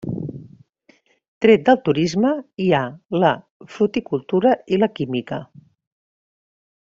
Tret del turisme, hi ha la fructicultura i la química.